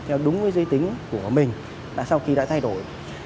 theo đúng với dưới tính của mình sau khi đã thay đổi